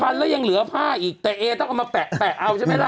แล้วยังเหลือผ้าอีกแต่เอต้องเอามาแปะเอาใช่ไหมล่ะ